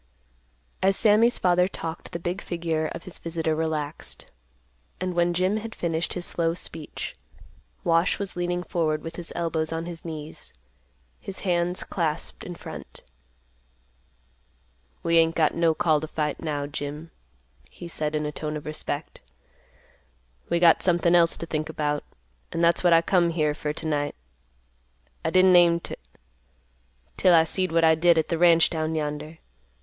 As Sammy's father talked, the big figure of his visitor relaxed, and when Jim had finished his slow speech, Wash was leaning forward with his elbows on his knees, his hands clasped in front. "We ain't got no call t' fight, now, Jim," he said in a tone of respect. "We got something else t' think about; an' that's what I come here fer t'night. I didn't aim t', 'til I seed what I did at th' ranch down yonder.